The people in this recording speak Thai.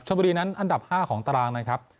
บุรีนั้นอันดับ๕ของตารางนะครับ